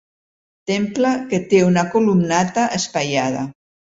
Temple que té una columnata espaiada.